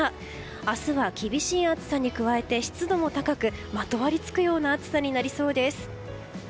明日は厳しい暑さに加えて湿度も高くまとわりつくような暑さになりそうです。